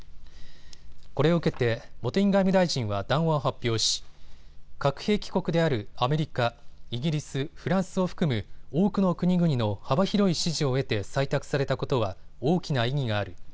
これを受けて茂木外務大臣は談話を発表し、核兵器国であるアメリカ、イギリス、フランスを含む多くの国々の幅広い支持を得て採択されたことは大きな意義がある。